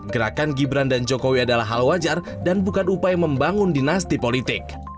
gerakan gibran dan jokowi adalah hal wajar dan bukan upaya membangun dinasti politik